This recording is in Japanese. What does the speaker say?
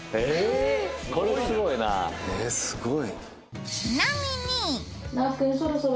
すごい！